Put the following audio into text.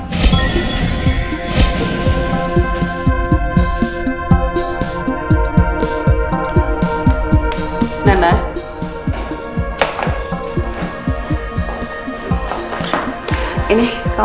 ini kamu buat sketchnya kamu bisa kan